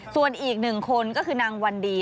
ส่วนอีกหนึ่งคนก็คือนางวันดี